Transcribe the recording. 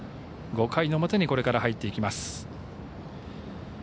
５回の表にこれから入っていきます。